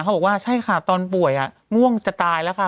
บอกว่าใช่ค่ะตอนป่วยง่วงจะตายแล้วค่ะ